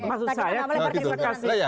maksud saya kita kasih